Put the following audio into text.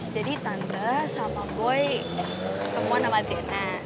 jadi tante sama boy ketemuan sama adriana